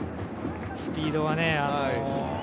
スピードはね。